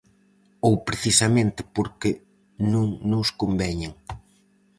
Ou precisamente porque non nos conveñen.